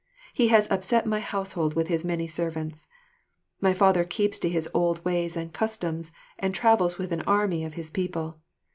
He has upset my household with his many servants. My father keeps to his old ways and customs and travels with an army of his people.